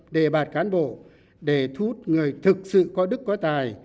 đề bạt cán bộ để thút người thực sự có đức có tài